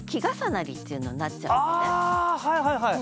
はいはいはい。